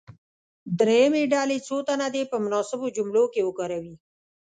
دریمې ډلې څو تنه دې په مناسبو جملو کې وکاروي.